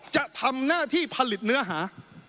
จะทำหน้าที่ผลิตเนื้อหา